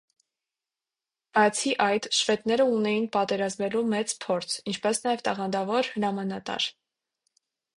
Բացի այդ, շվեդները ունեին պատերազմելու մեծ փորձ, ինչպես նաև տաղանդավոր հրամանատար։